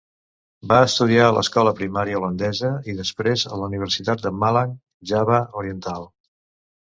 Va estudiar a l'escola primària holandesa i després a la universitat de Malang, Java Oriental.